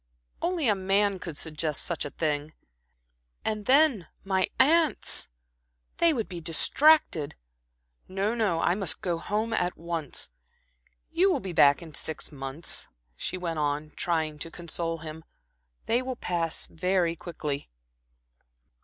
"Only a man could suggest such a thing. And then my aunts! they would be distracted. No, no, I must go home at once. You will be back in six months," she went on, trying to console him. "They will pass very quickly."